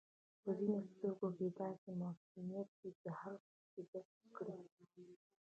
په ځینو سترګو کې داسې معصومیت وي چې هر څوک یې جذب کړي.